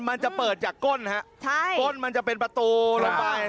มันจะเปิดจากก้นฮะใช่ก้นมันจะเป็นประตูลงไป